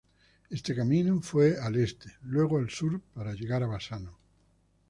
Este camino fue al este, luego al sur para llegar a Bassano.